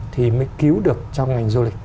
thì mới cứu được cho ngành du lịch